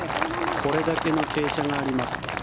これだけの傾斜があります。